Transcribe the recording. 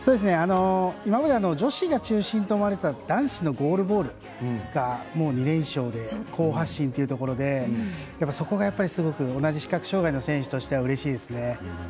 今まで、女子が中心と思われていた男子のゴールボールが２連勝で、好発進ということでそこがすごく同じ視覚障がい者の選手としてはうれしいですね。